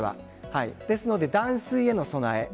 ですので、断水への備え。